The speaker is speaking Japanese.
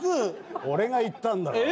俺が言ったんだからね。